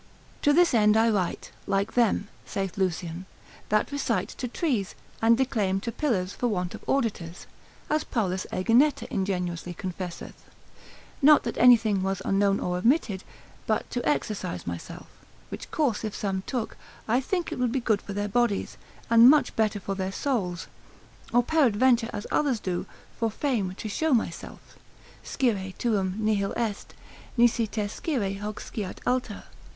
To this end I write, like them, saith Lucian, that recite to trees, and declaim to pillars for want of auditors: as Paulus Aegineta ingenuously confesseth, not that anything was unknown or omitted, but to exercise myself, which course if some took, I think it would be good for their bodies, and much better for their souls; or peradventure as others do, for fame, to show myself (Scire tuum nihil est, nisi te scire hoc sciat alter).